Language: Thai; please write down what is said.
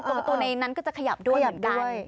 ประตูในนั้นก็จะขยับด้วยเหมือนกัน